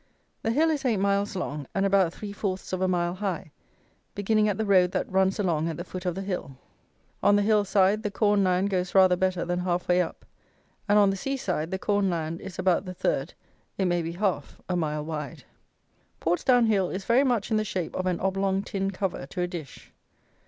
The hill is eight miles long, and about three fourths of a mile high, beginning at the road that runs along at the foot of the hill. On the hill side the corn land goes rather better than half way up; and on the sea side the corn land is about the third (it may be half) a mile wide. Portsdown Hill is very much in the shape of an oblong tin cover to a dish.